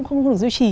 không được duy trì